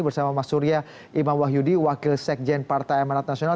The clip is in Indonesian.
bersama mas surya imam wahyudi wakil sekjen partai amanat nasional